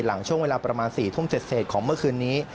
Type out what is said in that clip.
หลังช่วงเวลาประมาณ๔ทุ่มเสร็จของเมื่อคืนนี้